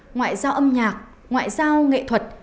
ngoại giao âm nhạc ngoại giao nghệ thuật